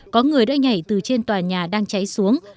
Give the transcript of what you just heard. có người đã nhảy từ trên tòa nhà đang cháy xuống